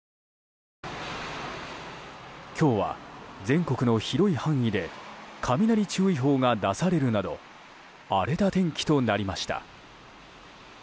今日は全国の広い範囲で雷注意報が出されるなど荒れた天気となりました。